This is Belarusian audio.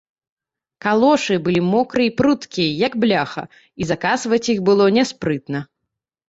Калошы былі мокрыя і пруткія, як бляха, і закасваць іх было няспрытна.